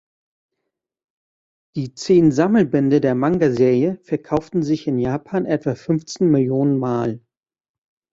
Die zehn Sammelbände der Manga-Serie verkauften sich in Japan etwa fünfzehn Millionen Mal.